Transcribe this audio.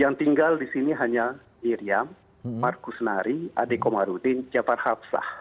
yang tinggal di sini hanya iryam markus nari adi komarudin jafar hapsah